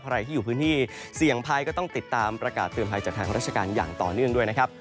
ใครที่อยู่พื้นที่เสี่ยงภัยก็ต้องติดตามประกาศเตือนภัยจากทางราชการอย่างต่อเนื่องด้วยนะครับ